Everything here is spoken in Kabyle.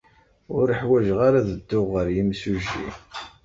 Ur ḥwajeɣ ara ad dduɣ ɣer yimsujji.